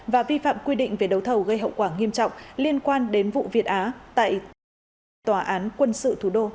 và vi phạm quy định về đấu thầu gây hậu quả nghiêm trọng liên quan đến vụ việt á tại tòa án quân sự thủ đô